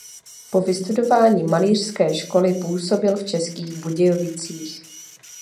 Po vystudování malířské školy působil v Českých Budějovicích.